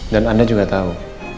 dan anda juga tahu